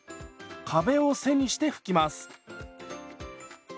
壁を背にして拭きます。